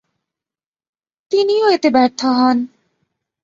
তিনিও এতে ব্যর্থ হন।